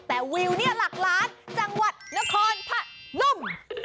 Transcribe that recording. แต่วิวเนี่ยหลักล้านจังหวัดนครพะนุ่ม